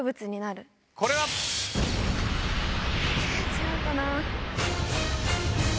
違うかな？